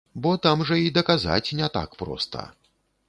Бо там жа і даказаць не так проста.